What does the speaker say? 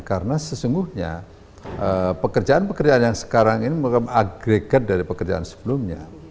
karena sesungguhnya pekerjaan pekerjaan yang sekarang ini agregat dari pekerjaan sebelumnya